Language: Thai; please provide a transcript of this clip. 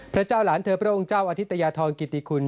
พระเจ้าหลานเธอพระองค์เจ้าอธิตยาธรกิติคุณ